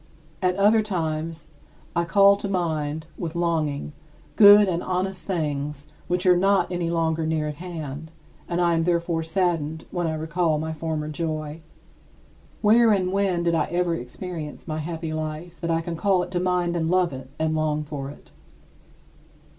At other times, I call to mind with longing good and honest things, which are not any longer near at hand, and I am therefore saddened when I recall my former joy. 31. Where and when did I ever experience my happy life that I can call it to mind and love it and long for it?